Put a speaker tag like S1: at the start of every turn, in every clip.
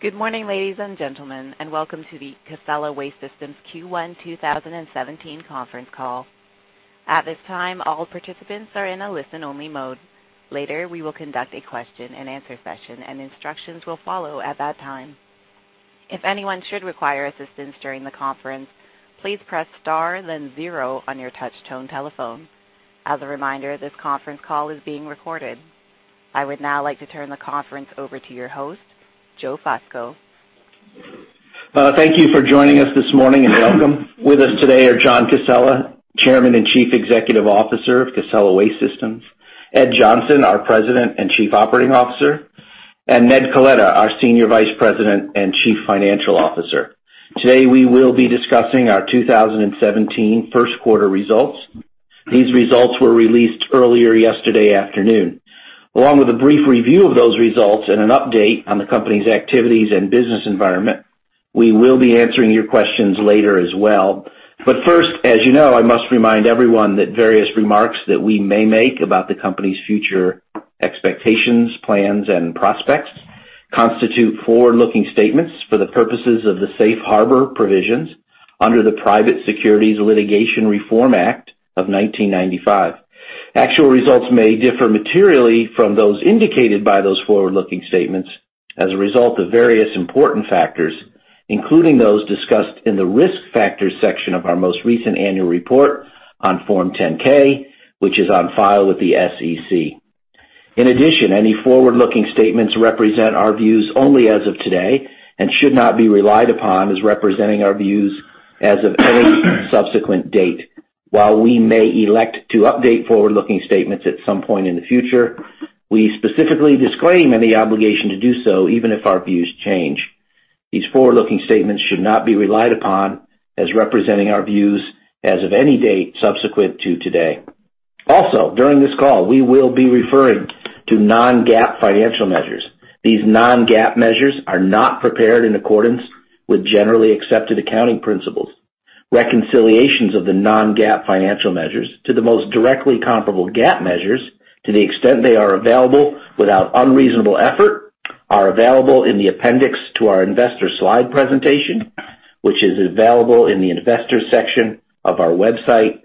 S1: Good morning, ladies and gentlemen, and welcome to the Casella Waste Systems Q1 2017 conference call. At this time, all participants are in a listen-only mode. Later, we will conduct a question and answer session, and instructions will follow at that time. If anyone should require assistance during the conference, please press star then zero on your touch-tone telephone. As a reminder, this conference call is being recorded. I would now like to turn the conference over to your host, Joseph Fusco.
S2: Thank you for joining us this morning and welcome. With us today are John Casella, Chairman and Chief Executive Officer of Casella Waste Systems, Ed Johnson, our President and Chief Operating Officer, and Ned Coletta, our Senior Vice President and Chief Financial Officer. Today, we will be discussing our 2017 first-quarter results. These results were released earlier yesterday afternoon. Along with a brief review of those results and an update on the company's activities and business environment, we will be answering your questions later as well. First, as you know, I must remind everyone that various remarks that we may make about the company's future expectations, plans, and prospects constitute forward-looking statements for the purposes of the safe harbor provisions under the Private Securities Litigation Reform Act of 1995. Actual results may differ materially from those indicated by those forward-looking statements as a result of various important factors, including those discussed in the Risk Factors section of our most recent annual report on Form 10-K, which is on file with the SEC. In addition, any forward-looking statements represent our views only as of today and should not be relied upon as representing our views as of any subsequent date. While we may elect to update forward-looking statements at some point in the future, we specifically disclaim any obligation to do so, even if our views change. These forward-looking statements should not be relied upon as representing our views as of any date subsequent to today. During this call, we will be referring to non-GAAP financial measures. These non-GAAP measures are not prepared in accordance with generally accepted accounting principles. Reconciliations of the non-GAAP financial measures to the most directly comparable GAAP measures, to the extent they are available without unreasonable effort, are available in the appendix to our investor slide presentation, which is available in the Investors section of our website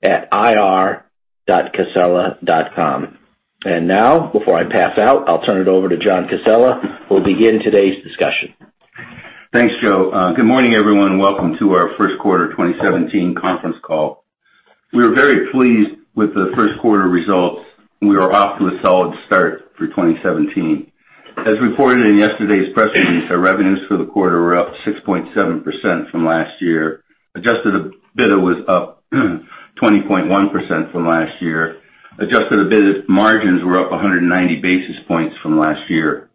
S2: at ir.casella.com. Now, before I pass out, I'll turn it over to John Casella, who will begin today's discussion.
S3: Thanks, Joe. Good morning, everyone. Welcome to our first quarter 2017 conference call. We are very pleased with the first quarter results, and we are off to a solid start for 2017. As reported in yesterday's press release, our revenues for the quarter were up 6.7% from last year. Adjusted EBITDA was up 20.1% from last year. Adjusted EBITDA margins were up 190 basis points from last year.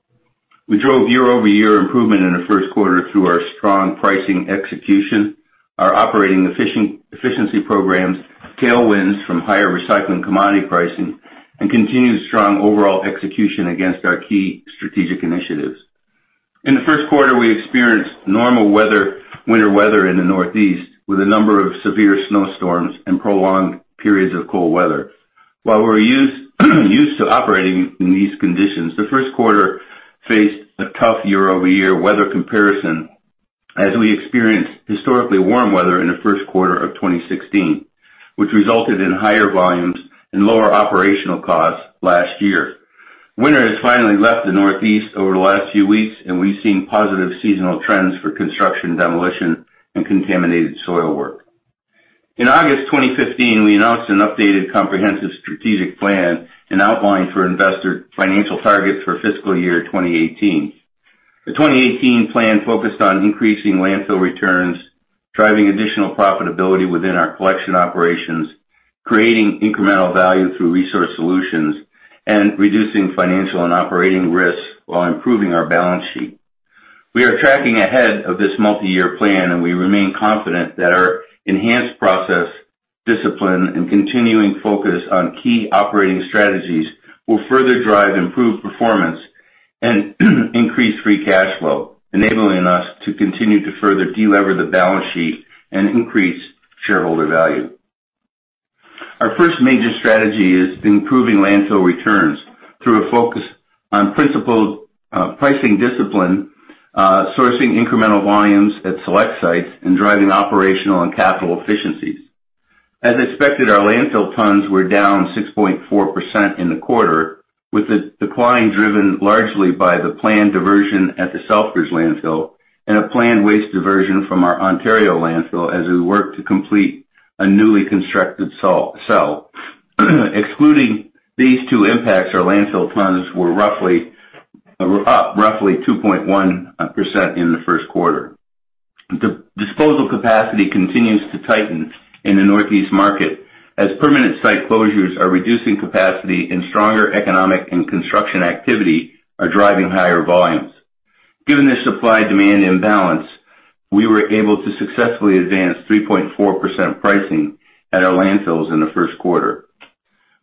S3: We drove year-over-year improvement in the first quarter through our strong pricing execution, our operating efficiency programs, tailwinds from higher recycling commodity pricing, and continued strong overall execution against our key strategic initiatives. In the first quarter, we experienced normal winter weather in the Northeast, with a number of severe snowstorms and prolonged periods of cold weather. While we're used to operating in these conditions, the first quarter faced a tough year-over-year weather comparison as we experienced historically warm weather in the first quarter of 2016, which resulted in higher volumes and lower operational costs last year. Winter has finally left the Northeast over the last few weeks, and we've seen positive seasonal trends for construction demolition and contaminated soil work. In August 2015, we announced an updated comprehensive strategic plan and outlined for investor financial targets for fiscal year 2018. The 2018 plan focused on increasing landfill returns, driving additional profitability within our collection operations, creating incremental value through resource solutions, and reducing financial and operating risks while improving our balance sheet. We are tracking ahead of this multi-year plan, and we remain confident that our enhanced process discipline and continuing focus on key operating strategies will further drive improved performance and increase free cash flow, enabling us to continue to further delever the balance sheet and increase shareholder value. Our first major strategy is improving landfill returns through a focus on pricing discipline, sourcing incremental volumes at select sites, and driving operational and capital efficiencies. As expected, our landfill tons were down 6.4% in the quarter, with the decline driven largely by the planned diversion at the Southbridge Landfill and a planned waste diversion from our Ontario Landfill as we work to complete a newly constructed cell. Excluding these two impacts, our landfill tons were up roughly 2.1% in the first quarter. The disposal capacity continues to tighten in the Northeast market as permanent site closures are reducing capacity and stronger economic and construction activity are driving higher volumes. Given the supply-demand imbalance, we were able to successfully advance 3.4% pricing at our landfills in the first quarter.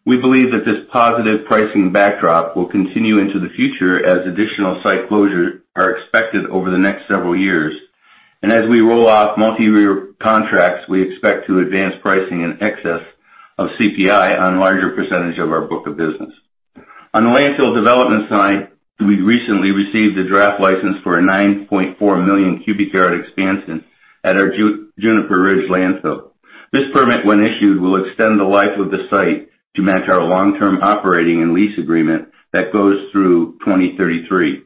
S3: We believe that this positive pricing backdrop will continue into the future as additional site closures are expected over the next several years. As we roll off multi-year contracts, we expect to advance pricing in excess of CPI on a larger percentage of our book of business. On the landfill development side, we recently received a draft license for a 9.4 million cubic yard expansion at our Juniper Ridge Landfill. This permit, when issued, will extend the life of the site to match our long-term operating and lease agreement that goes through 2033.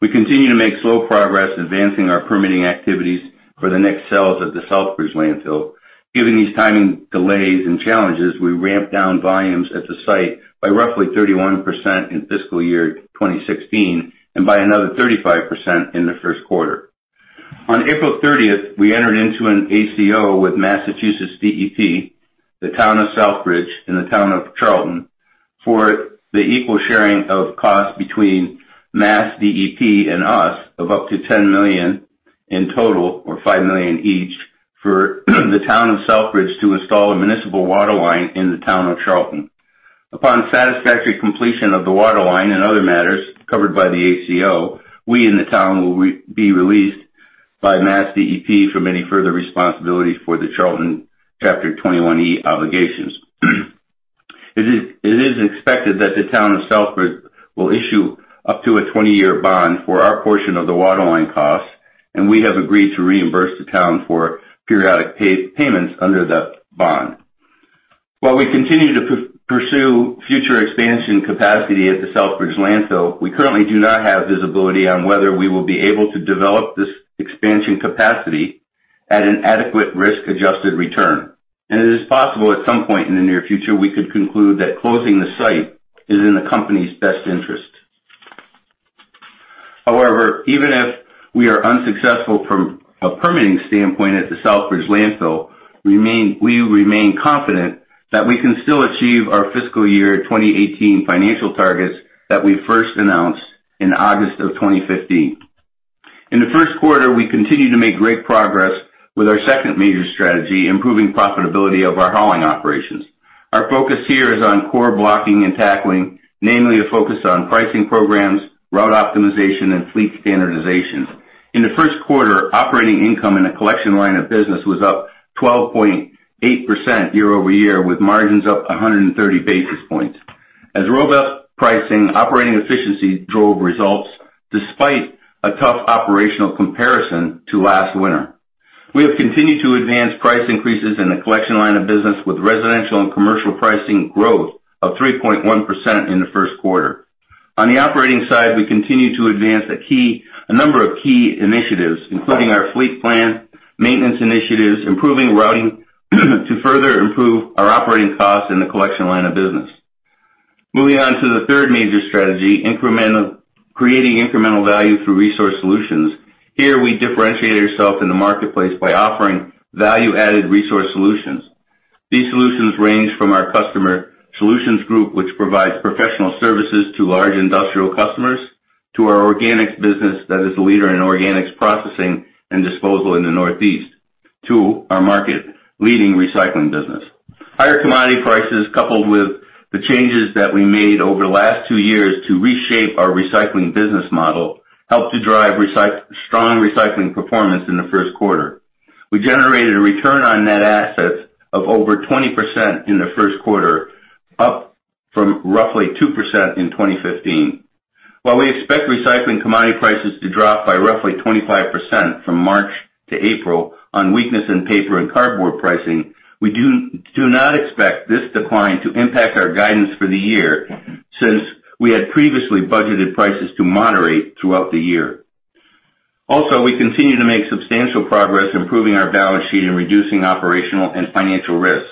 S3: We continue to make slow progress advancing our permitting activities for the next cells of the Southbridge Landfill. Given these timing delays and challenges, we ramped down volumes at the site by roughly 31% in fiscal year 2016, and by another 35% in the first quarter. On April 30th, we entered into an ACO with Massachusetts DEP, the town of Southbridge, and the town of Charlton, for the equal sharing of costs between Mass DEP and us of up to $10 million in total, or $5 million each, for the town of Southbridge to install a municipal water line in the town of Charlton. Upon satisfactory completion of the water line and other matters covered by the ACO, we and the town will be released by Mass DEP from any further responsibility for the Charlton Chapter 21E obligations. It is expected that the town of Southbridge will issue up to a 20-year bond for our portion of the water line costs, and we have agreed to reimburse the town for periodic payments under the bond. While we continue to pursue future expansion capacity at the Southbridge Landfill, we currently do not have visibility on whether we will be able to develop this expansion capacity at an adequate risk-adjusted return. It is possible at some point in the near future, we could conclude that closing the site is in the company's best interest. However, even if we are unsuccessful from a permitting standpoint at the Southbridge Landfill, we remain confident that we can still achieve our fiscal year 2018 financial targets that we first announced in August of 2015. In the first quarter, we continued to make great progress with our second major strategy, improving profitability of our hauling operations. Our focus here is on core blocking and tackling, namely a focus on pricing programs, route optimization, and fleet standardization. In the first quarter, operating income in the collection line of business was up 12.8% year-over-year, with margins up 130 basis points. Robust pricing operating efficiency drove results despite a tough operational comparison to last winter. We have continued to advance price increases in the collection line of business with residential and commercial pricing growth of 3.1% in the first quarter. On the operating side, we continue to advance a number of key initiatives, including our fleet plan, maintenance initiatives, improving routing to further improve our operating costs in the collection line of business. Moving on to the third major strategy, creating incremental value through resource solutions. Here we differentiate ourselves in the marketplace by offering value-added resource solutions. These solutions range from our customer solutions group, which provides professional services to large industrial customers, to our organics business that is a leader in organics processing and disposal in the Northeast, to our market-leading recycling business. Higher commodity prices, coupled with the changes that we made over the last two years to reshape our recycling business model, helped to drive strong recycling performance in the first quarter. We generated a return on net assets of over 20% in the first quarter, up from roughly 2% in 2015. While we expect recycling commodity prices to drop by roughly 25% from March to April on weakness in paper and cardboard pricing, we do not expect this decline to impact our guidance for the year since we had previously budgeted prices to moderate throughout the year. We continue to make substantial progress improving our balance sheet and reducing operational and financial risks.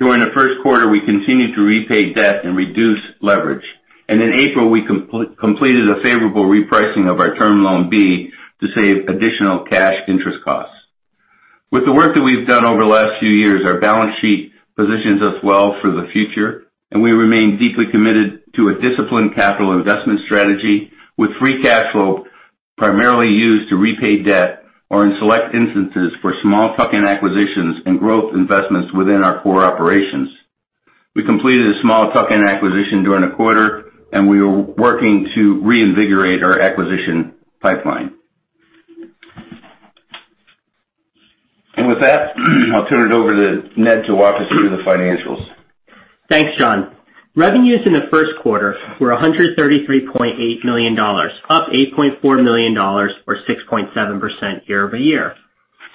S3: During the first quarter, we continued to repay debt and reduce leverage. In April, we completed a favorable repricing of our Term Loan B to save additional cash interest costs. With the work that we've done over the last few years, our balance sheet positions us well for the future, and we remain deeply committed to a disciplined capital investment strategy with free cash flow primarily used to repay debt or in select instances for small tuck-in acquisitions and growth investments within our core operations. We completed a small tuck-in acquisition during the quarter, and we are working to reinvigorate our acquisition pipeline. With that, I'll turn it over to Ned to walk us through the financials.
S4: Thanks, John. Revenues in the first quarter were $133.8 million, up $8.4 million or 6.7% year-over-year.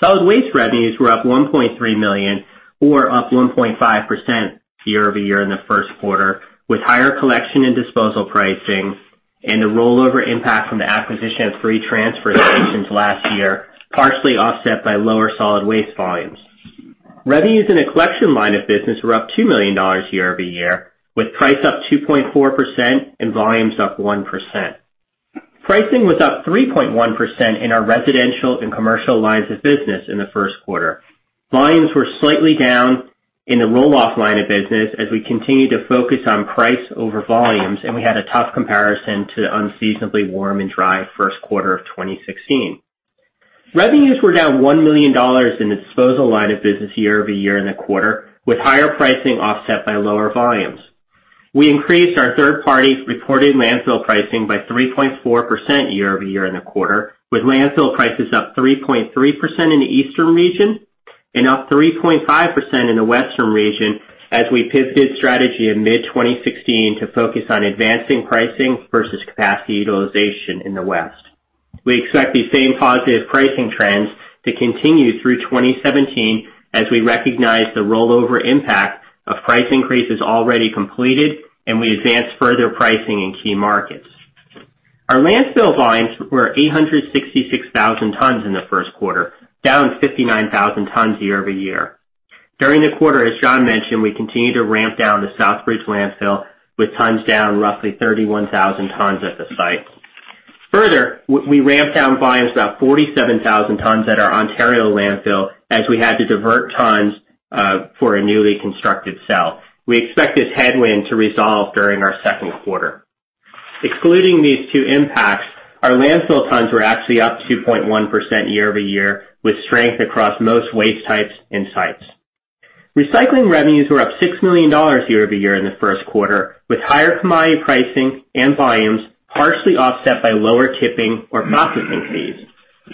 S4: Solid waste revenues were up $1.3 million or up 1.5% year-over-year in the first quarter, with higher collection and disposal pricing and the rollover impact from the acquisition of three transfer stations last year, partially offset by lower solid waste volumes. Revenues in the collection line of business were up $2 million year-over-year, with price up 2.4% and volumes up 1%. Pricing was up 3.1% in our residential and commercial lines of business in the first quarter. Volumes were slightly down in the roll-off line of business as we continued to focus on price over volumes, and we had a tough comparison to the unseasonably warm and dry first quarter of 2016. Revenues were down $1 million in the disposal line of business year-over-year in the quarter, with higher pricing offset by lower volumes. We increased our third party's reported landfill pricing by 3.4% year-over-year in the quarter, with landfill prices up 3.3% in the eastern region and up 3.5% in the western region as we pivoted strategy in mid-2016 to focus on advancing pricing versus capacity utilization in the West. We expect the same positive pricing trends to continue through 2017 as we recognize the rollover impact of price increases already completed and we advance further pricing in key markets. Our landfill volumes were 866,000 tons in the first quarter, down 59,000 tons year-over-year. During the quarter, as John mentioned, we continued to ramp down the Southbridge Landfill, with tons down roughly 31,000 tons at the site. Further, we ramped down volumes about 47,000 tons at our Ontario landfill as we had to divert tons for a newly constructed cell. We expect this headwind to resolve during our second quarter. Excluding these two impacts, our landfill tons were actually up 2.1% year-over-year, with strength across most waste types and sites. Recycling revenues were up $6 million year-over-year in the first quarter, with higher commodity pricing and volumes partially offset by lower tipping or processing fees.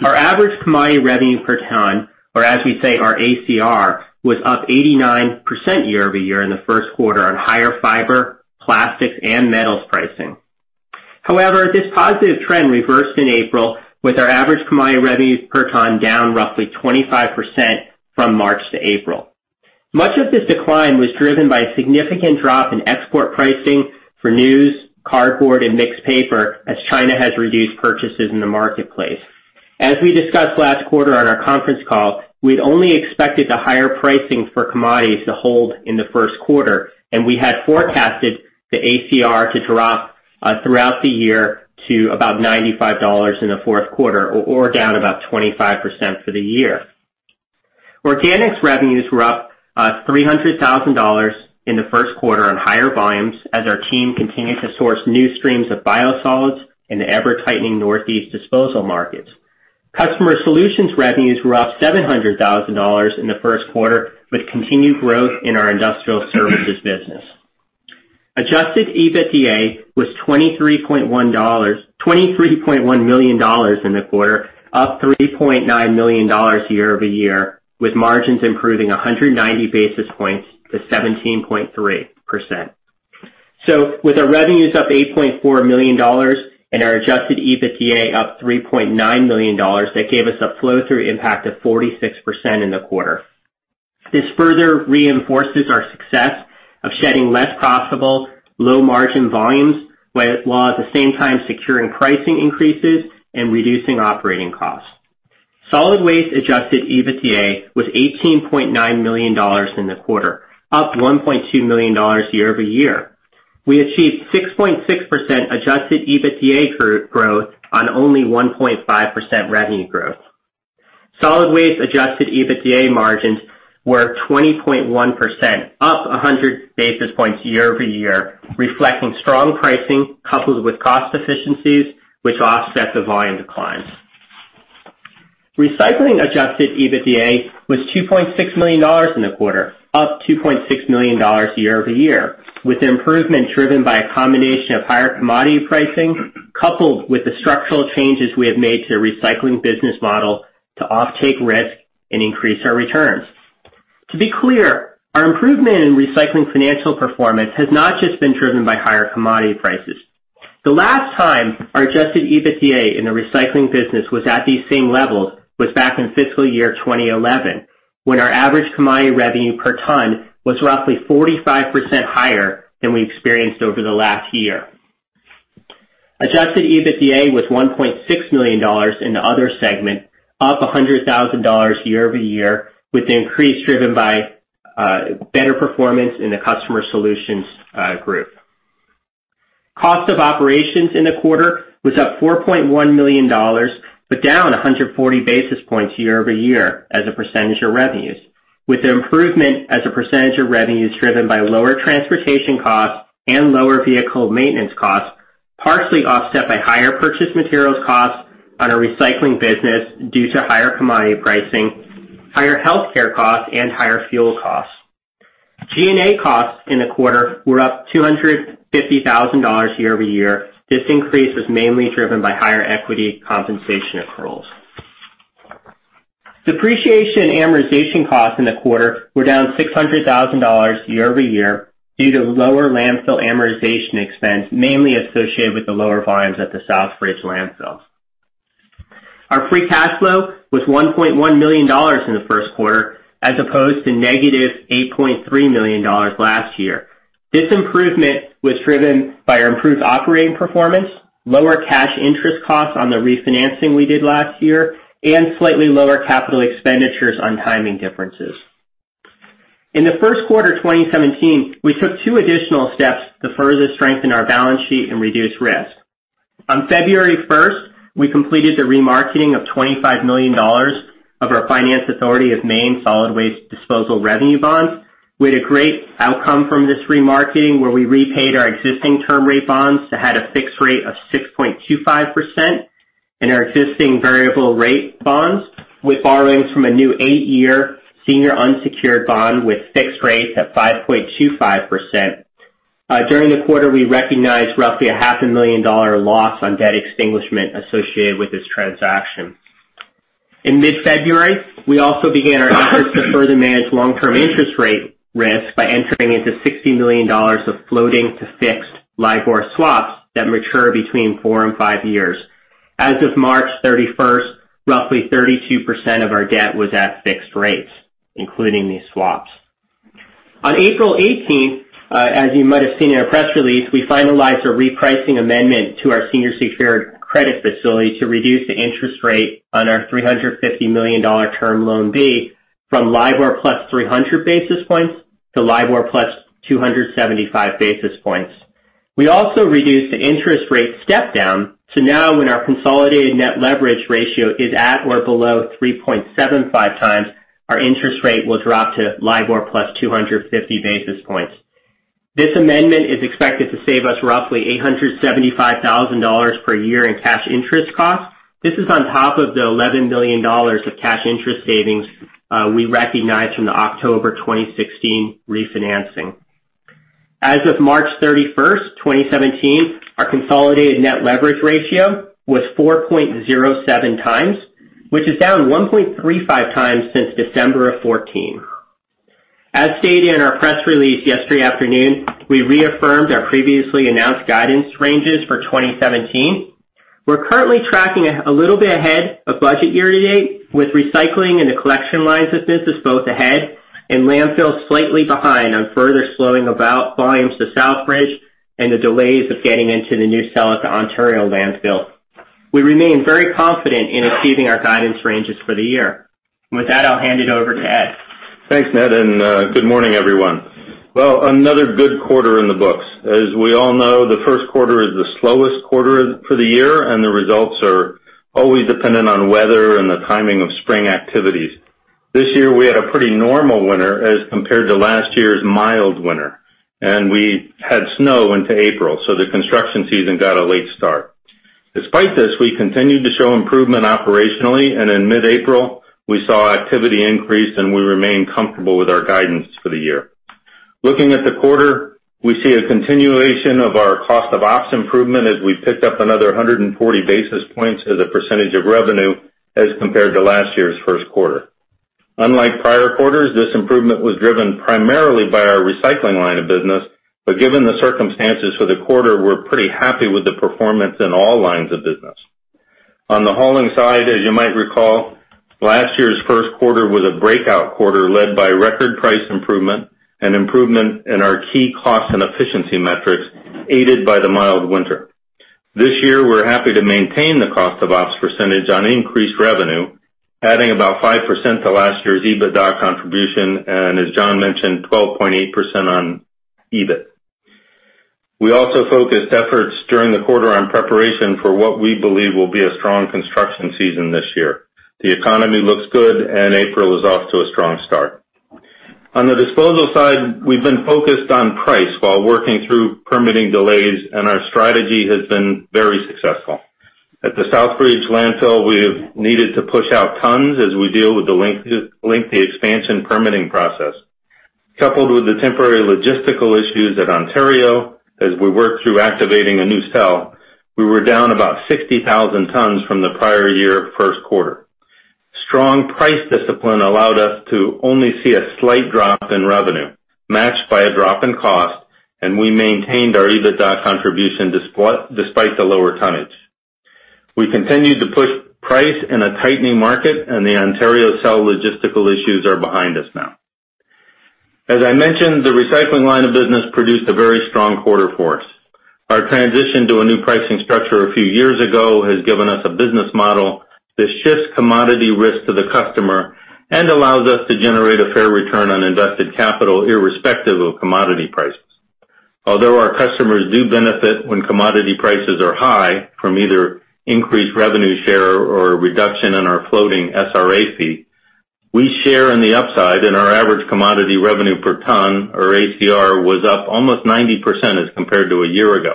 S4: Our average commodity revenue per ton, or as we say, our ACR, was up 89% year-over-year in the first quarter on higher fiber, plastics, and metals pricing. However, this positive trend reversed in April with our average commodity revenues per ton down roughly 25% from March to April. Much of this decline was driven by a significant drop in export pricing for news, cardboard, and mixed paper as China has reduced purchases in the marketplace. As we discussed last quarter on our conference call, we had only expected the higher pricing for commodities to hold in the first quarter, and we had forecasted the ACR to drop throughout the year to about $95 in the fourth quarter or down about 25% for the year. Organics revenues were up $300,000 in the first quarter on higher volumes as our team continued to source new streams of biosolids in the ever-tightening Northeast disposal markets. Customer solutions revenues were up $700,000 in the first quarter with continued growth in our industrial services business. Adjusted EBITDA was $23.1 million in the quarter, up $3.9 million year-over-year, with margins improving 190 basis points to 17.3%. With our revenues up $8.4 million and our adjusted EBITDA up $3.9 million, that gave us a flow-through impact of 46% in the quarter. This further reinforces our success of shedding less profitable, low-margin volumes, while at the same time securing pricing increases and reducing operating costs. Solid waste adjusted EBITDA was $18.9 million in the quarter, up $1.2 million year-over-year. We achieved 6.6% adjusted EBITDA growth on only 1.5% revenue growth. Solid waste adjusted EBITDA margins were 20.1%, up 100 basis points year-over-year, reflecting strong pricing coupled with cost efficiencies which offset the volume declines. Recycling adjusted EBITDA was $2.6 million in the quarter, up $2.6 million year-over-year, with improvement driven by a combination of higher commodity pricing coupled with the structural changes we have made to the recycling business model to offtake risk and increase our returns. To be clear, our improvement in recycling financial performance has not just been driven by higher commodity prices. The last time our adjusted EBITDA in the recycling business was at these same levels was back in fiscal year 2011, when our average commodity revenue per ton was roughly 45% higher than we experienced over the last year. Adjusted EBITDA was $1.6 million in the other segment, up $100,000 year-over-year with the increase driven by better performance in the customer solutions group. Cost of operations in the quarter was up $4.1 million, but down 140 basis points year-over-year as a percentage of revenues, with the improvement as a percentage of revenues driven by lower transportation costs and lower vehicle maintenance costs, partially offset by higher purchase materials costs on our recycling business due to higher commodity pricing, higher healthcare costs, and higher fuel costs. G&A costs in the quarter were up $250,000 year-over-year. This increase is mainly driven by higher equity compensation accruals. Depreciation and amortization costs in the quarter were down $600,000 year-over-year due to lower landfill amortization expense, mainly associated with the lower volumes at the Southbridge Landfill. Our free cash flow was $1.1 million in the first quarter, as opposed to negative $8.3 million last year. This improvement was driven by our improved operating performance, lower cash interest costs on the refinancing we did last year, and slightly lower capital expenditures on timing differences. In the first quarter 2017, we took two additional steps to further strengthen our balance sheet and reduce risk. On February 1st, we completed the remarketing of $25 million of our Finance Authority of Maine solid waste disposal revenue bonds. We had a great outcome from this remarketing where we repaid our existing term rate bonds that had a fixed rate of 6.25%. In our existing variable rate bonds with borrowings from a new 8-year senior unsecured bond with fixed rates at 5.25%. During the quarter, we recognized roughly a half a million dollar loss on debt extinguishment associated with this transaction. In mid-February, we also began our efforts to further manage long-term interest rate risk by entering into $60 million of floating to fixed LIBOR swaps that mature between four and five years. As of March 31st, roughly 32% of our debt was at fixed rates, including these swaps. On April 18th, as you might have seen in our press release, we finalized a repricing amendment to our senior secured credit facility to reduce the interest rate on our $350 million Term Loan B from LIBOR plus 300 basis points to LIBOR plus 275 basis points. We also reduced the interest rate step down to now when our consolidated net leverage ratio is at or below 3.75 times, our interest rate will drop to LIBOR plus 250 basis points. This amendment is expected to save us roughly $875,000 per year in cash interest costs. This is on top of the $11 million of cash interest savings we recognized from the October 2016 refinancing. As of March 31st, 2017, our consolidated net leverage ratio was 4.07 times, which is down 1.35 times since December of 2014. As stated in our press release yesterday afternoon, we reaffirmed our previously announced guidance ranges for 2017. We're currently tracking a little bit ahead of budget year-to-date with recycling and the collection lines of business both ahead, and landfill slightly behind on further slowing volumes to Southbridge and the delays of getting into the new cell at the Ontario landfill. We remain very confident in achieving our guidance ranges for the year. With that, I'll hand it over to Ed.
S5: Thanks, Ned. Good morning, everyone. Well, another good quarter in the books. As we all know, the first quarter is the slowest quarter for the year. The results are always dependent on weather and the timing of spring activities. This year, we had a pretty normal winter as compared to last year's mild winter. We had snow into April, the construction season got a late start. Despite this, we continued to show improvement operationally. In mid-April, we saw activity increase and we remain comfortable with our guidance for the year. Looking at the quarter, we see a continuation of our cost of ops improvement as we picked up another 140 basis points as a percentage of revenue as compared to last year's first quarter. Unlike prior quarters, this improvement was driven primarily by our recycling line of business. Given the circumstances for the quarter, we're pretty happy with the performance in all lines of business. On the hauling side, as you might recall, last year's first quarter was a breakout quarter led by record price improvement and improvement in our key cost and efficiency metrics, aided by the mild winter. This year, we're happy to maintain the cost of ops percentage on increased revenue, adding about 5% to last year's EBITDA contribution, and as John mentioned, 12.8% on EBIT. We also focused efforts during the quarter on preparation for what we believe will be a strong construction season this year. The economy looks good and April is off to a strong start. On the disposal side, we've been focused on price while working through permitting delays, and our strategy has been very successful. At the Southbridge Landfill, we've needed to push out tons as we deal with the lengthy expansion permitting process. Coupled with the temporary logistical issues at Ontario as we work through activating a new cell, we were down about 60,000 tons from the prior year first quarter. Strong price discipline allowed us to only see a slight drop in revenue matched by a drop in cost. We maintained our EBITDA contribution despite the lower tonnage. We continued to push price in a tightening market. The Ontario cell logistical issues are behind us now. As I mentioned, the recycling line of business produced a very strong quarter for us. Our transition to a new pricing structure a few years ago has given us a business model that shifts commodity risk to the customer and allows us to generate a fair return on invested capital irrespective of commodity prices. Although our customers do benefit when commodity prices are high from either increased revenue share or a reduction in our floating SRA fee, we share in the upside in our average commodity revenue per ton, or ACR, was up almost 90% as compared to a year ago.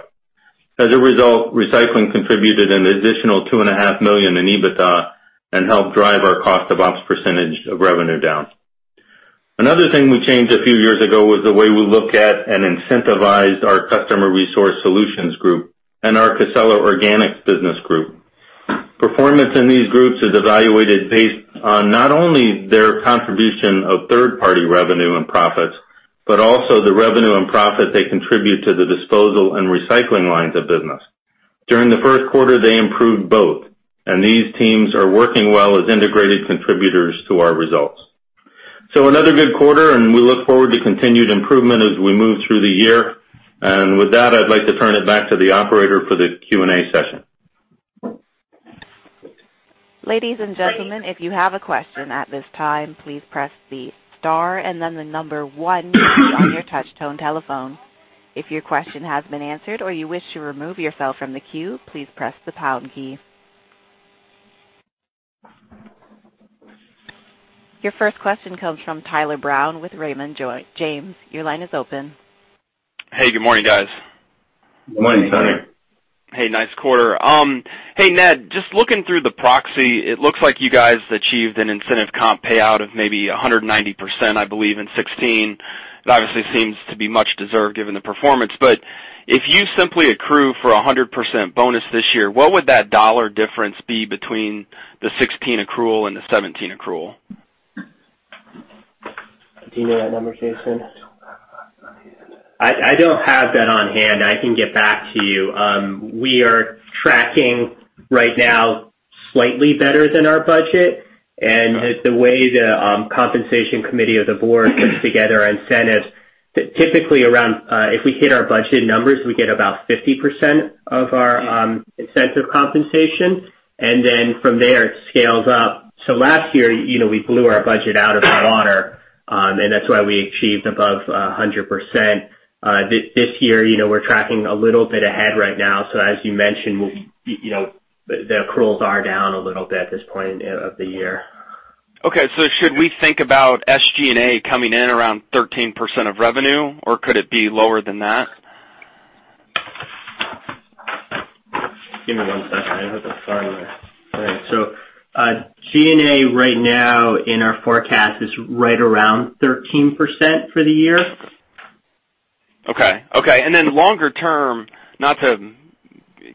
S5: As a result, recycling contributed an additional two and a half million in EBITDA and helped drive our cost of ops percentage of revenue down. Another thing we changed a few years ago was the way we look at and incentivized our customer resource solutions group and our Casella Organics business group. Performance in these groups is evaluated based on not only their contribution of third-party revenue and profits, but also the revenue and profit they contribute to the disposal and recycling lines of business. During the first quarter, they improved both. These teams are working well as integrated contributors to our results. Another good quarter, and we look forward to continued improvement as we move through the year. With that, I'd like to turn it back to the operator for the Q&A session.
S1: Ladies and gentlemen, if you have a question at this time, please press the star and then the number one key on your touchtone telephone. If your question has been answered or you wish to remove yourself from the queue, please press the pound key. Your first question comes from Tyler Brown with Raymond James. Your line is open.
S6: Hey, good morning, guys.
S3: Good morning, Tyler.
S6: Hey, nice quarter. Hey, Ned, just looking through the proxy, it looks like you guys achieved an incentive comp payout of maybe 190%, I believe, in 2016. That obviously seems to be much deserved given the performance. If you simply accrue for 100% bonus this year, what would that dollar difference be between the 2016 accrual and the 2017 accrual?
S3: Do you know that number, Ned?
S4: I don't have that on hand. I can get back to you. The way the compensation committee of the board puts together incentives, typically around, if we hit our budget numbers, we get about 50% of our incentive compensation. From there, it scales up. Last year, we blew our budget out of the water, and that's why we achieved above 100%. This year, we're tracking a little bit ahead right now. As you mentioned, the accruals are down a little bit at this point of the year.
S6: Okay. Should we think about SG&A coming in around 13% of revenue, or could it be lower than that?
S4: Give me one second. I have the phone here. Okay, G&A right now in our forecast is right around 13% for the year.
S6: Okay. Longer term, not to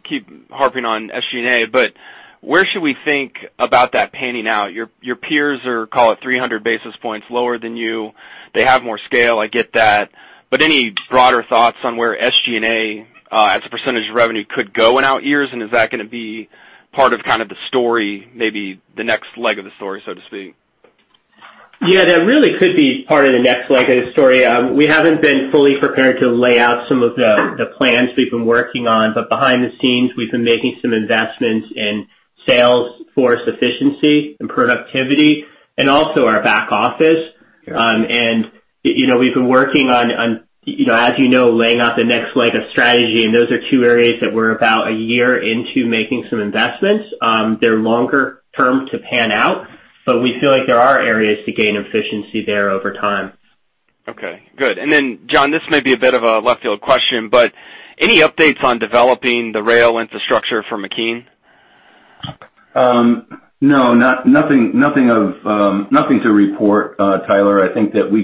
S6: keep harping on SG&A, but where should we think about that panning out? Your peers are, call it 300 basis points lower than you. They have more scale, I get that, but any broader thoughts on where SG&A as a percentage of revenue could go in out years? Is that going to be part of kind of the story, maybe the next leg of the story, so to speak?
S4: Yeah, that really could be part of the next leg of the story. We haven't been fully prepared to lay out some of the plans we've been working on. Behind the scenes, we've been making some investments in sales force efficiency and productivity and also our back office. We've been working on, as you know, laying out the next leg of strategy, and those are two areas that we're about a year into making some investments. They're longer term to pan out, but we feel like there are areas to gain efficiency there over time.
S6: Okay, good. John, this may be a bit of a left field question, but any updates on developing the rail infrastructure for McKean?
S3: No, nothing to report, Tyler. I think that the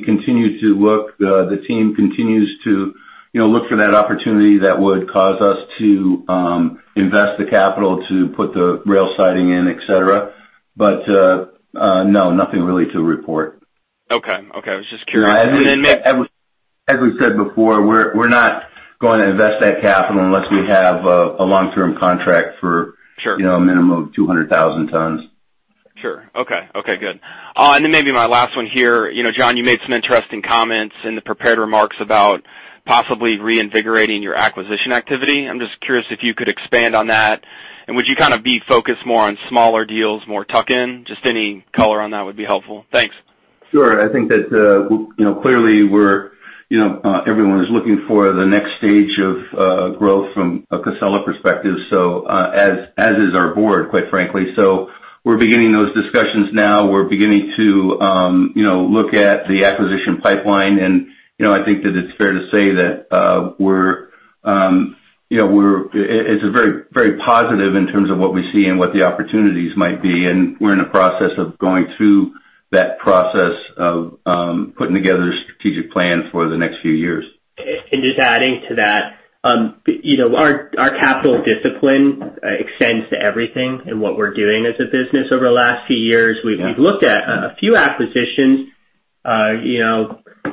S3: team continues to look for that opportunity that would cause us to invest the capital to put the rail siding in, et cetera. No, nothing really to report.
S6: Okay. I was just curious.
S3: As we've said before, we're not going to invest that capital unless we have a long-term contract.
S6: Sure
S3: a minimum of 200,000 tons.
S6: Sure. Okay, good. Maybe my last one here. John, you made some interesting comments in the prepared remarks about possibly reinvigorating your acquisition activity. I'm just curious if you could expand on that. Would you kind of be focused more on smaller deals, more tuck-in? Just any color on that would be helpful. Thanks.
S3: Sure. I think that, clearly everyone is looking for the next stage of growth from a Casella perspective. As is our board, quite frankly. We're beginning those discussions now. We're beginning to look at the acquisition pipeline. I think that it's fair to say that it's very positive in terms of what we see and what the opportunities might be. We're in a process of going through that process of putting together a strategic plan for the next few years.
S4: Just adding to that. Our capital discipline extends to everything in what we're doing as a business over the last few years.
S3: Yeah.
S4: We've looked at a few acquisitions,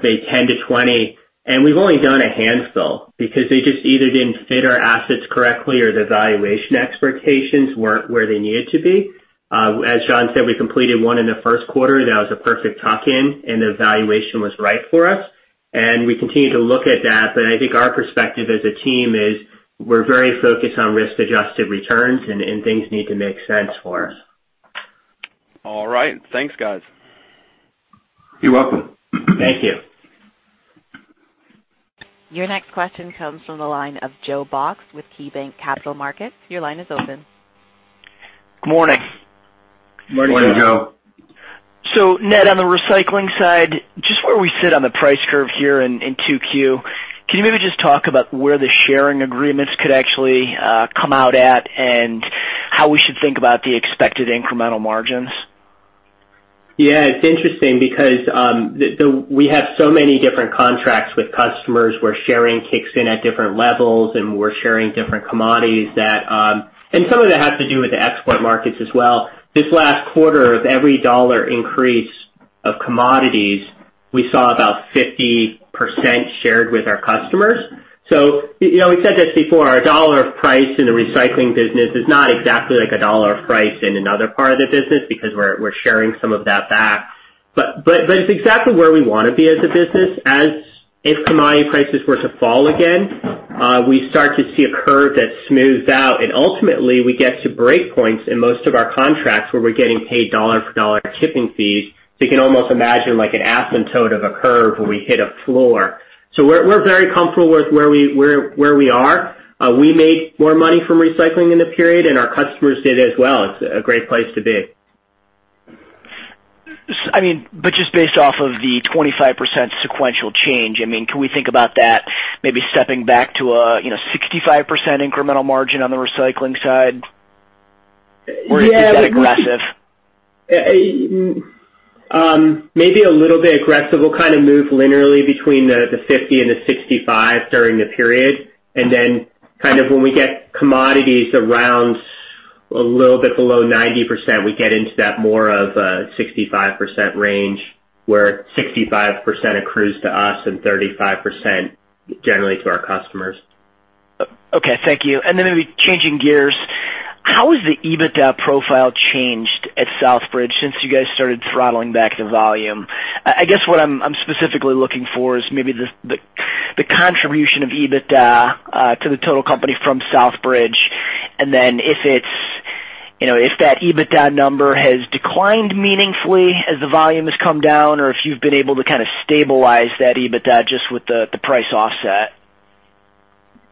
S4: say 10 to 20. We've only done a handful because they just either didn't fit our assets correctly or the valuation expectations weren't where they needed to be. As John said, we completed one in the first quarter that was a perfect tuck-in. The valuation was right for us. We continue to look at that. I think our perspective as a team is we're very focused on risk-adjusted returns. Things need to make sense for us.
S6: All right. Thanks, guys.
S3: You're welcome.
S4: Thank you.
S1: Your next question comes from the line of Joe Box with KeyBanc Capital Markets. Your line is open.
S7: Good morning.
S3: Morning, Joe.
S7: Ned, on the recycling side, just where we sit on the price curve here in 2Q, can you maybe just talk about where the sharing agreements could actually come out at and how we should think about the expected incremental margins?
S4: Yeah, it's interesting because we have so many different contracts with customers where sharing kicks in at different levels and we're sharing different commodities. Some of that has to do with the export markets as well. This last quarter, of every dollar increase of commodities, we saw about 50% shared with our customers. We said this before, a dollar of price in the recycling business is not exactly like a dollar of price in another part of the business because we're sharing some of that back. It's exactly where we want to be as a business. If commodity prices were to fall again, we start to see a curve that smooths out, and ultimately we get to break points in most of our contracts where we're getting paid dollar for dollar tipping fees. You can almost imagine like an asymptote of a curve where we hit a floor. We're very comfortable with where we are. We made more money from recycling in the period, and our customers did as well. It's a great place to be.
S7: Just based off of the 25% sequential change, can we think about that maybe stepping back to a 65% incremental margin on the recycling side? Or is that aggressive?
S4: Maybe a little bit aggressive. We'll kind of move linearly between the 50% and the 65% during the period. When we get commodities around a little bit below 90%, we get into that more of a 65% range, where 65% accrues to us and 35% generally to our customers.
S7: Okay, thank you. Maybe changing gears, how has the EBITDA profile changed at Southbridge since you guys started throttling back the volume? I guess what I'm specifically looking for is maybe the contribution of EBITDA to the total company from Southbridge, and then if that EBITDA number has declined meaningfully as the volume has come down or if you've been able to kind of stabilize that EBITDA just with the price offset.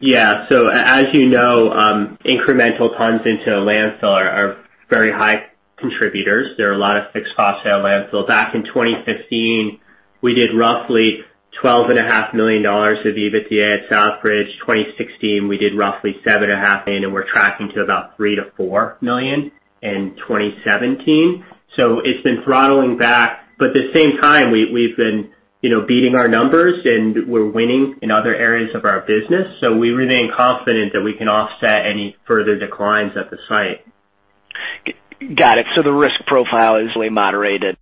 S4: Yeah. As you know, incremental tons into a landfill are very high contributors. There are a lot of fixed cost at a landfill. Back in 2015, we did roughly $12.5 million of EBITDA at Southbridge. 2016, we did roughly $7.5 million, and we're tracking to about $3 million-$4 million in 2017. It's been throttling back, but at the same time, we've been beating our numbers and we're winning in other areas of our business. We remain confident that we can offset any further declines at the site.
S7: Got it. The risk profile is moderately moderated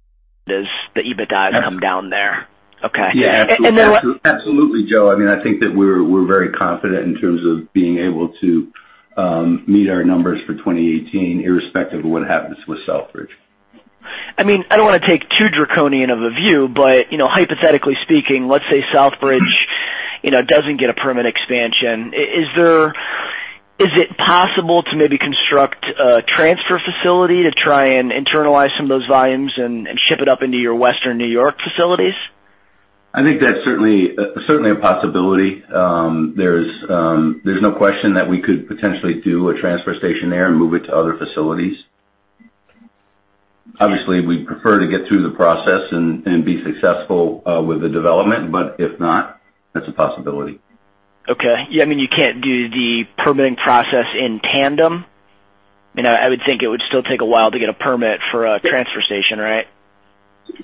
S7: as the EBITDA has come down there. Okay.
S4: Yeah, absolutely.
S3: Absolutely, Joe. I think that we're very confident in terms of being able to meet our numbers for 2018, irrespective of what happens with Southbridge.
S7: I don't want to take too draconian of a view, hypothetically speaking, let's say Southbridge doesn't get a permit expansion. Is it possible to maybe construct a transfer facility to try and internalize some of those volumes and ship it up into your Western New York facilities?
S3: I think that's certainly a possibility. There's no question that we could potentially do a transfer station there and move it to other facilities. Obviously, we'd prefer to get through the process and be successful with the development, but if not, that's a possibility.
S7: Okay. You can't do the permitting process in tandem? I would think it would still take a while to get a permit for a transfer station, right?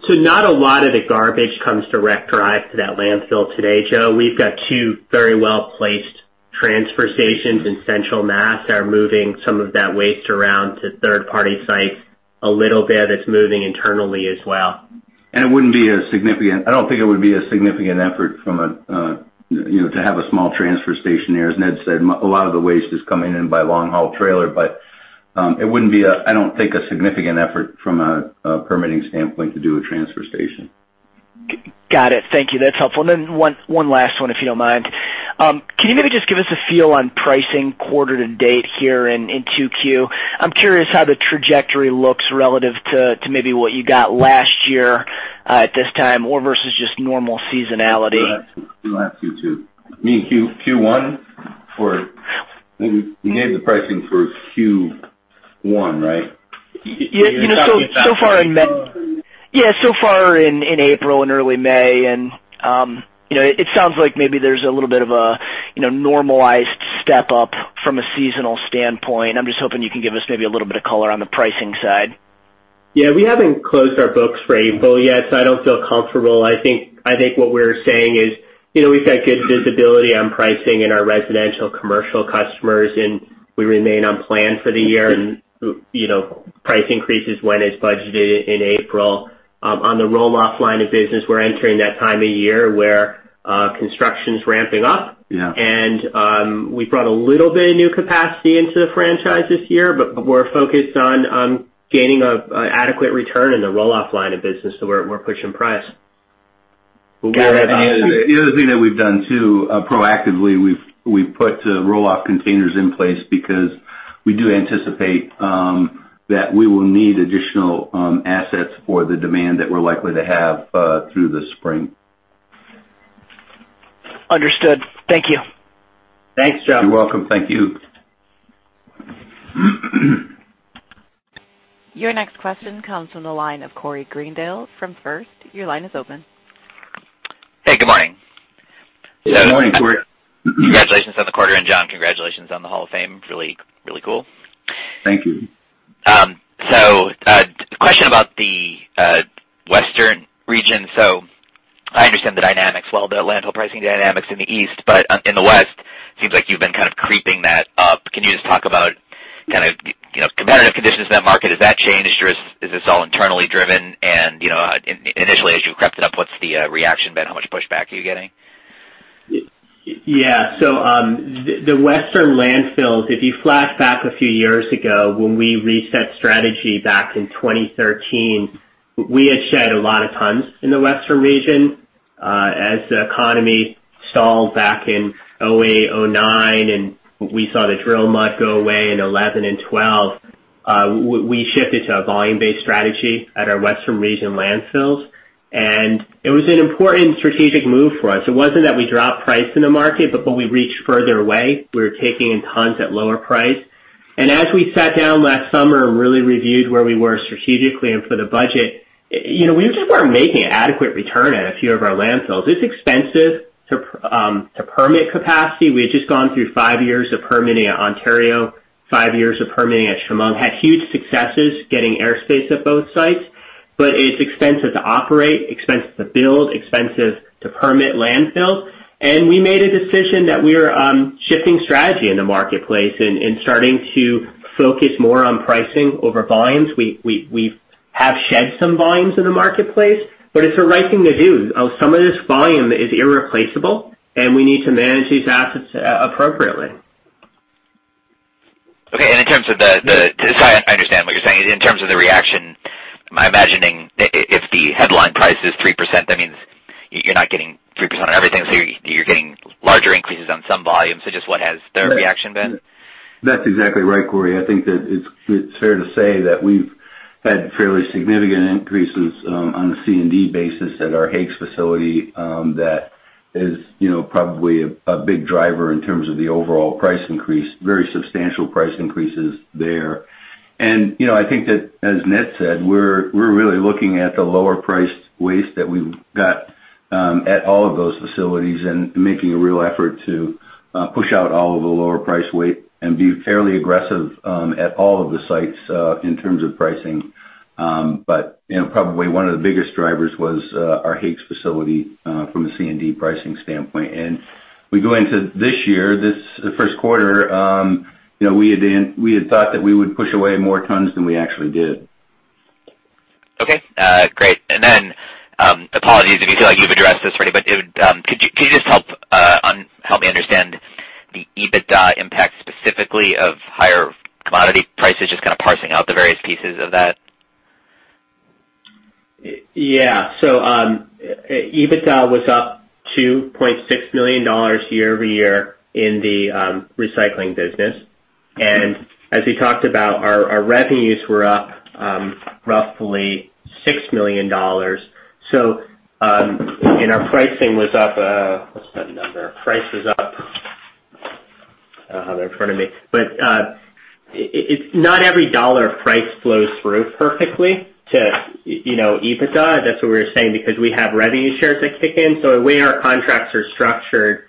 S4: Not a lot of the garbage comes direct drive to that landfill today, Joe. We've got two very well-placed transfer stations in central Mass that are moving some of that waste around to third-party sites. A little bit is moving internally as well.
S3: I don't think it would be a significant effort to have a small transfer station there. As Ned said, a lot of the waste is coming in by long-haul trailer, it wouldn't be, I don't think, a significant effort from a permitting standpoint to do a transfer station.
S7: Got it. Thank you. That's helpful. One last one, if you don't mind. Can you maybe just give us a feel on pricing quarter to date here in 2Q? I'm curious how the trajectory looks relative to maybe what you got last year at this time or versus just normal seasonality.
S3: The last Q2. You mean Q1? You gave the pricing for Q1, right?
S7: Yeah, so far in April and early May, it sounds like maybe there's a little bit of a normalized step up from a seasonal standpoint. I'm just hoping you can give us maybe a little bit of color on the pricing side.
S4: Yeah, we haven't closed our books for April yet, so I don't feel comfortable. I think what we're saying is we've got good visibility on pricing in our residential commercial customers, we remain on plan for the year and price increases when it's budgeted in April. On the roll-off line of business, we're entering that time of year where construction's ramping up.
S3: Yeah.
S4: We brought a little bit of new capacity into the franchise this year, but we're focused on gaining an adequate return in the roll-off line of business, so we're pushing price.
S7: Got it.
S3: The other thing that we've done too, proactively, we've put roll-off containers in place because we do anticipate that we will need additional assets for the demand that we're likely to have through the spring.
S7: Understood. Thank you.
S4: Thanks, Joe.
S3: You're welcome. Thank you.
S1: Your next question comes from the line of Corey Greendale from First. Your line is open.
S8: Hey, good morning.
S3: Good morning, Corey.
S8: Congratulations on the quarter, John, congratulations on the Hall of Fame. Really cool.
S3: Thank you.
S8: A question about the western region. I understand the dynamics, well, the landfill pricing dynamics in the east, in the west, it seems like you've been kind of creeping that up. Can you just talk about kind of competitive conditions in that market? Has that changed? Is this all internally driven? Initially, as you crept it up, what's the reaction been? How much pushback are you getting?
S4: Yeah. The western landfills, if you flash back a few years ago when we reset strategy back in 2013, we had shed a lot of tons in the western region. As the economy stalled back in 2008, 2009, and we saw the drill mud go away in 2011 and 2012, we shifted to a volume-based strategy at our western region landfills, and it was an important strategic move for us. It wasn't that we dropped price in the market, but when we reached further away, we were taking in tons at lower price. As we sat down last summer and really reviewed where we were strategically and for the budget, we just weren't making an adequate return at a few of our landfills. It's expensive to permit capacity. We had just gone through five years of permitting at Ontario, five years of permitting at Chemung. Had huge successes getting airspace at both sites, but it's expensive to operate, expensive to build, expensive to permit landfills. We made a decision that we are shifting strategy in the marketplace and starting to focus more on pricing over volumes. We have shed some volumes in the marketplace, but it's the right thing to do. Some of this volume is irreplaceable, and we need to manage these assets appropriately.
S8: Okay. I understand what you're saying. In terms of the reaction, I'm imagining if the headline price is 3%, that means you're not getting 3% on everything, so you're getting larger increases on some volumes. Just what has their reaction been?
S3: That's exactly right, Corey. I think that it's fair to say that we've had fairly significant increases on the C&D basis at our Hakes facility. That is probably a big driver in terms of the overall price increase, very substantial price increases there. I think that, as Ned said, we're really looking at the lower-priced waste that we've got at all of those facilities and making a real effort to push out all of the lower-priced waste and be fairly aggressive at all of the sites in terms of pricing. Probably one of the biggest drivers was our Hakes facility from a C&D pricing standpoint. We go into this year, the first quarter, we had thought that we would push away more tons than we actually did.
S8: Okay. Great. Apologies if you feel like you've addressed this already, but could you just help me understand the EBITDA impact specifically of higher commodity prices, just kind of parsing out the various pieces of that?
S4: Yeah. EBITDA was up $2.6 million year-over-year in the recycling business. As we talked about, our revenues were up roughly $6 million. Our pricing was up, what's that number? Not every dollar price flows through perfectly to EBITDA. That's what we were saying, because we have revenue shares that kick in. The way our contracts are structured,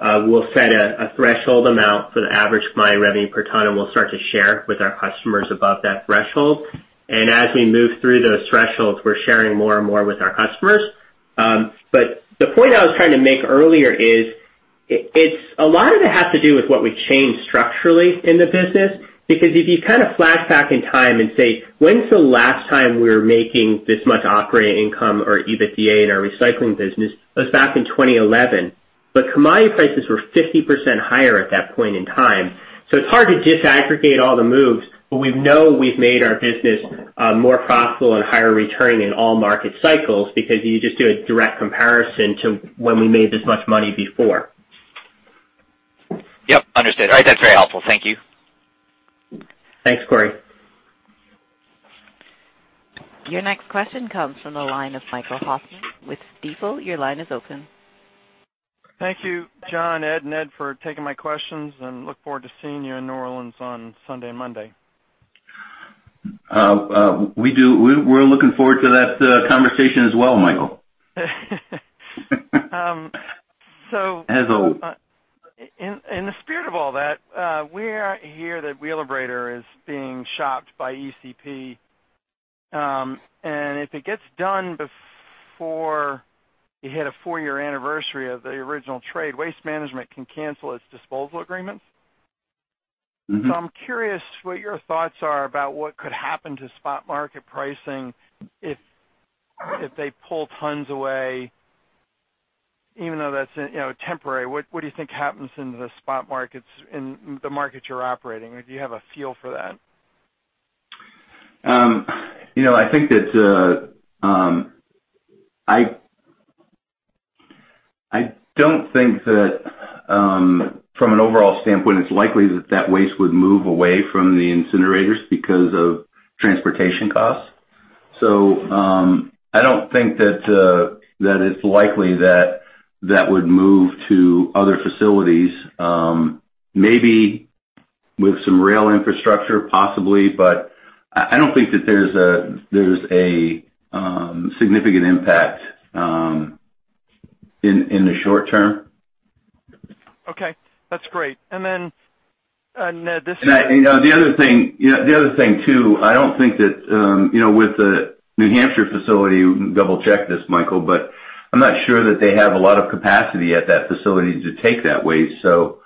S4: we'll set a threshold amount for the average combined revenue per ton, and we'll start to share with our customers above that threshold. As we move through those thresholds, we're sharing more and more with our customers. The point I was trying to make earlier is, a lot of it has to do with what we've changed structurally in the business. If you kind of flashback in time and say, "When's the last time we were making this much operating income or EBITDA in our recycling business?" It was back in 2011. Commodity prices were 50% higher at that point in time. It's hard to disaggregate all the moves, but we know we've made our business more profitable and higher returning in all market cycles because you just do a direct comparison to when we made this much money before.
S8: Yep, understood. That's very helpful. Thank you.
S4: Thanks, Corey.
S1: Your next question comes from the line of Michael Hoffman with Stifel. Your line is open.
S9: Thank you, John, Ed, and Ned, for taking my questions, and look forward to seeing you in New Orleans on Sunday and Monday.
S3: We're looking forward to that conversation as well, Michael. As always.
S9: In the spirit of all that, we hear that Wheelabrator is being shopped by ECP. If it gets done before you hit a 4-year anniversary of the original trade, Waste Management can cancel its disposal agreements. I'm curious what your thoughts are about what could happen to spot market pricing if they pull tons away, even though that's temporary. What do you think happens in the spot markets, in the markets you're operating? Do you have a feel for that?
S3: I don't think that, from an overall standpoint, it's likely that that waste would move away from the incinerators because of transportation costs. I don't think that it's likely that that would move to other facilities. Maybe with some rail infrastructure, possibly, but I don't think that there's a significant impact in the short term.
S9: Okay. That's great. Ned,
S3: The other thing, too, I don't think that with the New Hampshire facility, we can double-check this, Michael, but I'm not sure that they have a lot of capacity at that facility to take that waste.
S4: Or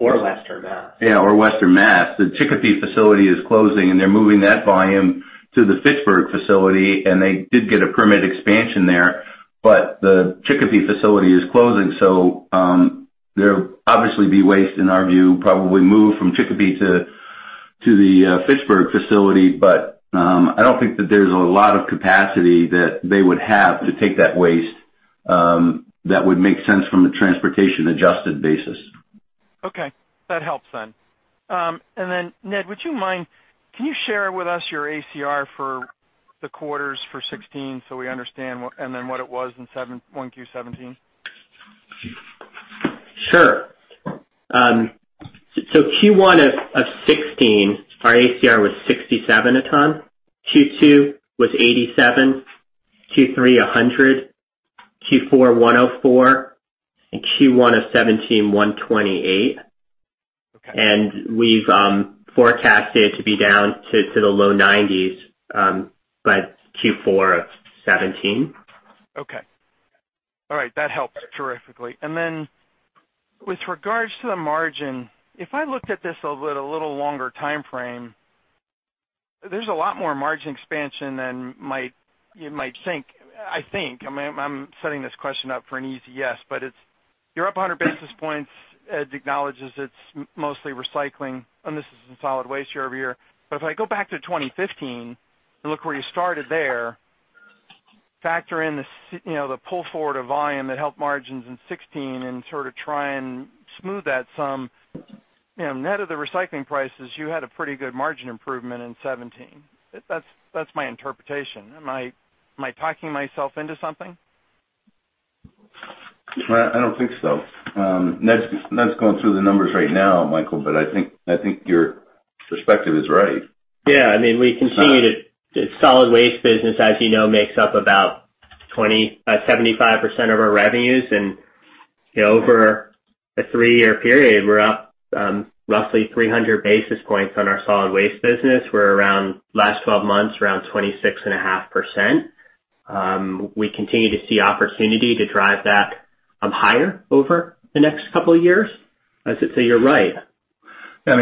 S4: Western Mass.
S3: Yeah, or Western Mass. The Chicopee facility is closing, and they're moving that volume to the Fitchburg facility, and they did get a permit expansion there. The Chicopee facility is closing, there'll obviously be waste, in our view, probably moved from Chicopee to the Fitchburg facility. I don't think that there's a lot of capacity that they would have to take that waste that would make sense from a transportation-adjusted basis.
S9: Okay. That helps then. Then Ned, can you share with us your ACR for the quarters for 2016, so we understand, and then what it was in Q1 2017?
S4: Sure. Q1 of 2016, our ACR was 67 a ton. Q2 was 87. Q3, 100. Q4, 104. Q1 of 2017, 128.
S9: Okay.
S4: We've forecasted to be down to the low 90s by Q4 of 2017.
S9: Okay. All right. That helps terrifically. With regards to the margin, if I looked at this over a little longer timeframe, there's a lot more margin expansion than you might think. I think. I'm setting this question up for an easy yes, but you're up 100 basis points. Ed acknowledges it's mostly recycling, and this is in solid waste year-over-year. If I go back to 2015 and look where you started there, factor in the pull forward of volume that helped margins in 2016 and sort of try and smooth that sum, net of the recycling prices, you had a pretty good margin improvement in 2017. That's my interpretation. Am I talking myself into something?
S5: I don't think so. Ned's going through the numbers right now, Michael, I think your perspective is right.
S4: Solid waste business, as you know, makes up about 75% of our revenues. Over a three-year period, we're up roughly 300 basis points on our solid waste business. We're around, last 12 months, around 26.5%. We continue to see opportunity to drive that higher over the next couple of years. I'd say you're right.
S5: As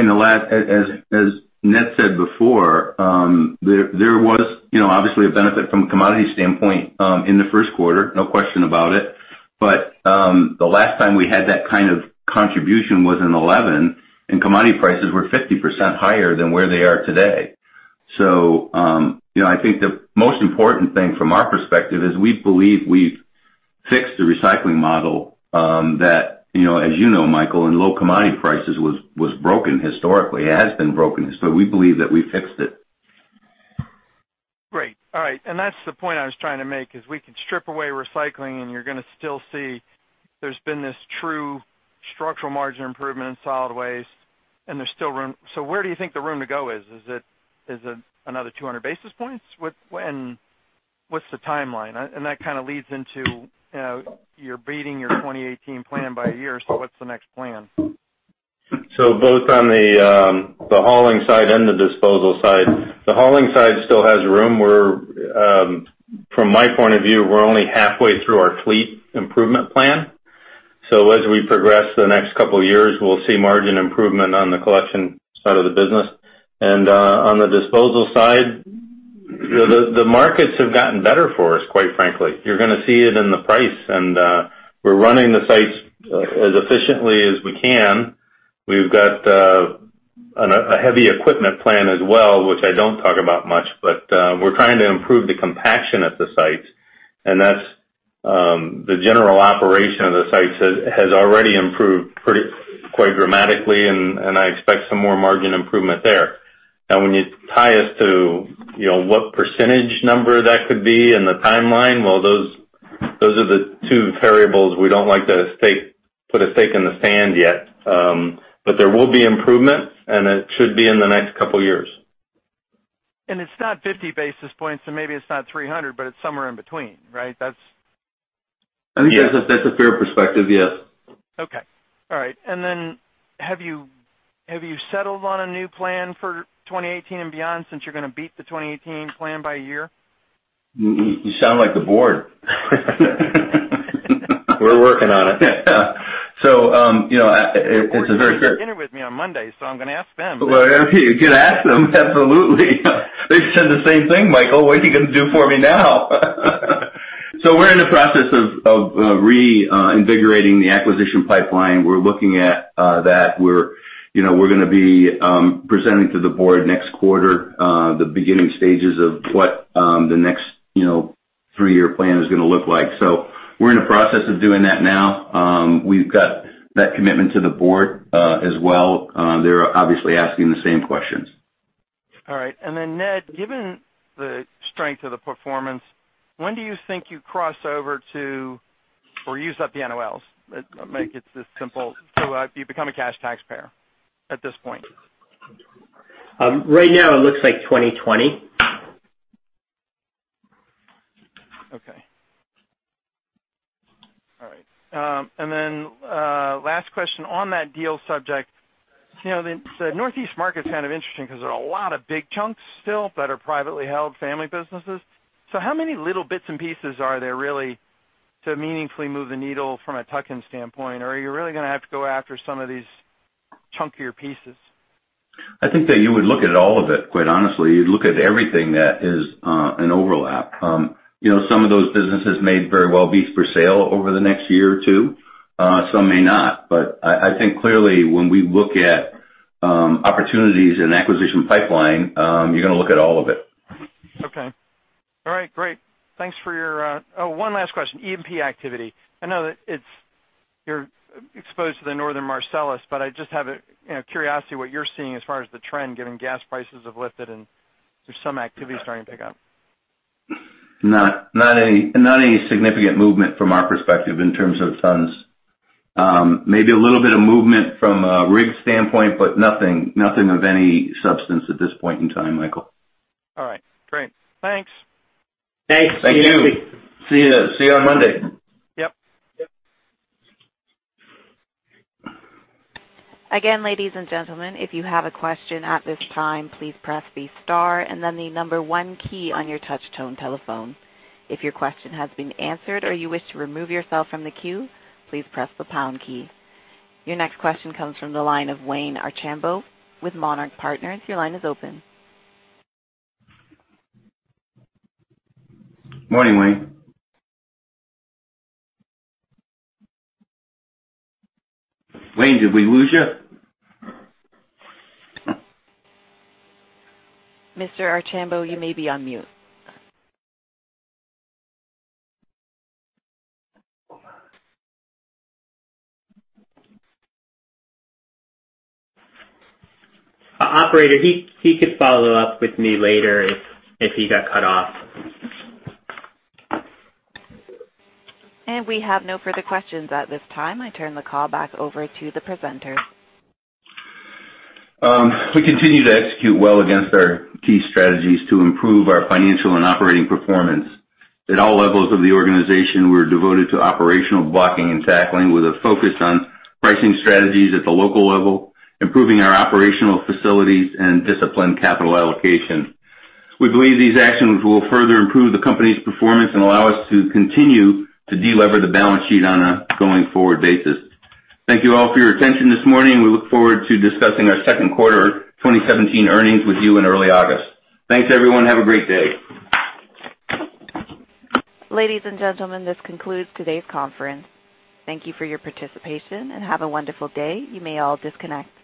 S5: Ned said before, there was obviously a benefit from a commodity standpoint in the first quarter, no question about it. The last time we had that kind of contribution was in 2011, and commodity prices were 50% higher than where they are today. I think the most important thing from our perspective is we believe we've fixed the recycling model that, as you know Michael, in low commodity prices was broken historically, has been broken. We believe that we fixed it.
S9: Great. All right. That's the point I was trying to make, is we can strip away recycling and you're going to still see there's been this true structural margin improvement in solid waste, and there's still room. Where do you think the room to go is? Is it another 200 basis points? What's the timeline? That kind of leads into, you're beating your 2018 plan by a year, what's the next plan?
S5: Both on the hauling side and the disposal side, the hauling side still has room. From my point of view, we're only halfway through our fleet improvement plan. As we progress the next couple of years, we'll see margin improvement on the collection side of the business. On the disposal side, the markets have gotten better for us, quite frankly. You're going to see it in the price, and we're running the sites as efficiently as we can. We've got a heavy equipment plan as well, which I don't talk about much, but we're trying to improve the compaction at the sites. The general operation of the sites has already improved quite dramatically, and I expect some more margin improvement there. When you tie us to what % number that could be and the timeline, well, those are the two variables we don't like to put a stake in the sand yet. There will be improvement, and it should be in the next couple of years.
S9: It's not 50 basis points, and maybe it's not 300, but it's somewhere in between, right?
S4: Yeah. I think that's a fair perspective, yes.
S9: Okay. All right. Have you settled on a new plan for 2018 and beyond, since you're going to beat the 2018 plan by a year?
S5: You sound like the board. We're working on it.
S9: They're going to have dinner with me on Monday, so I'm going to ask them.
S5: Well, you can ask them. Absolutely. They said the same thing, Michael, what are you going to do for me now? We're in the process of reinvigorating the acquisition pipeline. We're looking at that. We're going to be presenting to the board next quarter, the beginning stages of what the next three-year plan is going to look like. We're in the process of doing that now. We've got that commitment to the board as well. They're obviously asking the same questions.
S9: All right. Ned, given the strength of the performance, when do you think you cross over to or use up the NOLs? Make it this simple. You become a cash taxpayer at this point.
S4: Right now, it looks like 2020.
S9: Okay. All right. Then, last question. On that deal subject, the Northeast market's kind of interesting because there are a lot of big chunks still that are privately held family businesses. How many little bits and pieces are there really to meaningfully move the needle from a tuck-in standpoint? Are you really going to have to go after some of these chunkier pieces?
S3: I think that you would look at all of it, quite honestly. You'd look at everything that is an overlap. Some of those businesses may very well be for sale over the next year or two. Some may not. I think clearly when we look at opportunities in acquisition pipeline, you're going to look at all of it.
S9: Okay. All right, great. Thanks for your Oh, one last question. E&P activity. I know that it's You're exposed to the Northern Marcellus, but I just have a curiosity what you're seeing as far as the trend, given gas prices have lifted and there's some activity starting to pick up.
S3: Not any significant movement from our perspective in terms of tons. Maybe a little bit of movement from a rig standpoint, but nothing of any substance at this point in time, Michael.
S9: All right, great. Thanks.
S4: Thanks.
S3: Thank you. See you on Monday.
S9: Yep.
S4: Yep.
S1: Again, ladies and gentlemen, if you have a question at this time, please press the star and then the number 1 key on your touch tone telephone. If your question has been answered or you wish to remove yourself from the queue, please press the pound key. Your next question comes from the line of Wayne Archambo with Monarch Partners. Your line is open.
S3: Morning, Wayne. Wayne, did we lose you?
S1: Mr. Archambo, you may be on mute.
S3: Hold on.
S4: Operator, he could follow up with me later if he got cut off.
S1: We have no further questions at this time. I turn the call back over to the presenters.
S3: We continue to execute well against our key strategies to improve our financial and operating performance. At all levels of the organization, we're devoted to operational blocking and tackling with a focus on pricing strategies at the local level, improving our operational facilities, and disciplined capital allocation. We believe these actions will further improve the company's performance and allow us to continue to de-lever the balance sheet on a going-forward basis. Thank you all for your attention this morning. We look forward to discussing our second quarter 2017 earnings with you in early August. Thanks, everyone. Have a great day.
S1: Ladies and gentlemen, this concludes today's conference. Thank you for your participation, and have a wonderful day. You may all disconnect.